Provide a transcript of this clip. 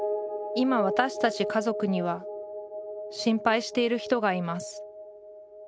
今私たち家族には心配している人がいます。